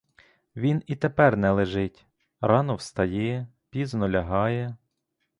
Він і тепер не лежить: рано встає, пізно лягає.